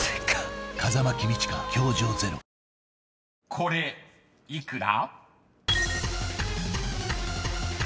［これ幾ら？］